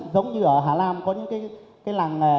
giống như ở hà nam có những cái